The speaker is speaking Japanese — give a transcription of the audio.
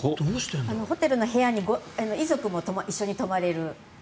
ホテルの部屋に遺族も一緒に泊まれる。